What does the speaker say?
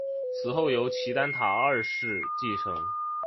死后由齐丹塔二世继承。